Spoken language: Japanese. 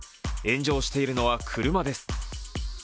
炎上しているのは車です。